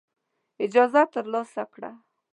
اجازه ترلاسه کړه.